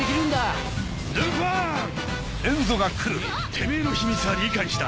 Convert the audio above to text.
てめぇの秘密は理解した。